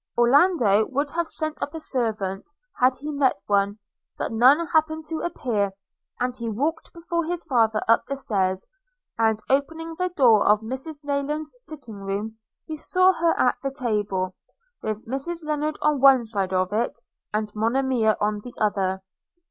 Orlando would have sent up a servant, had he met one; but none happened to appear, and he walked before his father up the stairs, and, opening the door of Mrs Rayland's sitting room, he saw her at the table, with Mrs Lennard on one side of it, and Monimia on the other.